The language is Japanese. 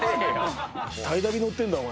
タイダビ、乗ってんだ、お前。